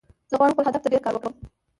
زه غواړم خپل هدف ته ډیر کار وکړم